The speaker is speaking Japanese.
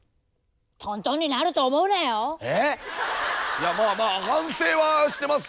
いやまあまあ反省はしてます